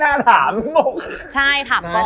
โอ้โหไม่น่าถาม